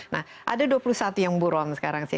nah ada dua puluh satu yang burong sekarang